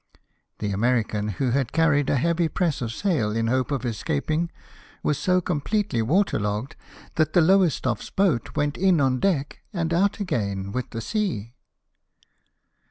The American, who had carried a heavy press of sail in hope of escaping, was so completely water logged that the Lowestoffes boat went in on deck, and out again, with the sea.